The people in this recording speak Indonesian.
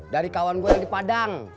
dari kawan gue yang di padang